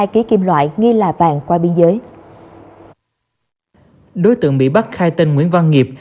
kg kim loại nghi lạ vàng qua biên giới đối tượng bị bắt khai tên nguyễn văn nghiệp